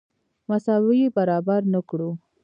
مساوي برابر نه کړو.